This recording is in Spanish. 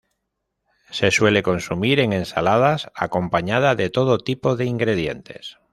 Se suele consumir en ensaladas acompañada de todo tipo de ingredientes.